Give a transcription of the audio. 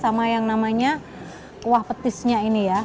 sama yang namanya kuah petisnya ini ya